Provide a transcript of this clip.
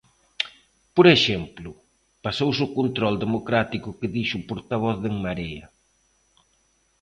Por exemplo, pasouse o control democrático que dixo o portavoz de En Marea.